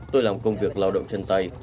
tôi làm công việc lao động chân tay